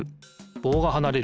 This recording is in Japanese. ぼうがはなれる。